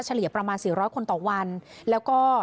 เฉลี่ยประมาณ๔๐๐คนต่อวันแล้วก็